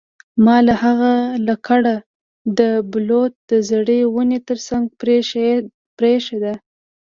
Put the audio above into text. ما هغه لکړه د بلوط د زړې ونې ترڅنګ پریښې ده